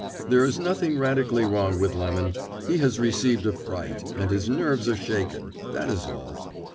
There is nothing radically wrong with Lemon; he has received a fright, and his nerves are shaken, that is all.